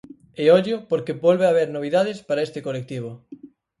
E, ollo, porque volve haber novidades para este colectivo.